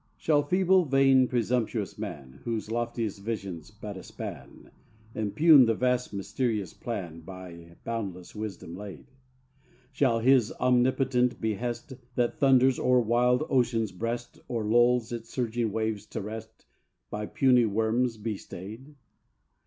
Shall feeble, vain, presumptuous man Whose loftiest vision's but a span, Impugn the vast mysterious plan By boundless wisdom laid? Shall His omnipotent behest, That thunders o'er wild ocean's breast, Or lulls its surging waves to rest, By puny worms be stayed?